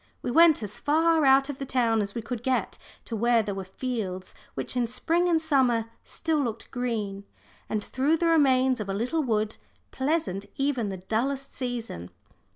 We went as far out of the town as we could get, to where there were fields, which in spring and summer still looked green, and through the remains of a little wood, pleasant even in the dullest season.